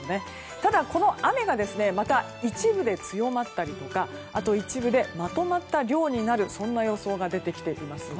ただ、この雨がまた、一部で強まったりとかあと、一部でまとまった量になる予想が出てきています。